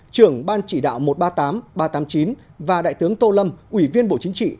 trưởng ban chỉ đạo một trăm ba mươi tám ba trăm tám mươi chín và đại tướng tô lâm ủy viên bộ chính trị